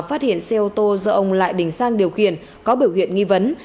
phát hiện xe ô tô do ông lại đình sang điều khiển có biểu hiện nghi vấn